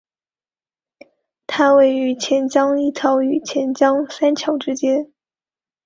它位于钱江一桥与钱江三桥之间。